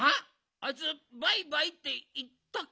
あいつ「バイバイ」っていったっけ？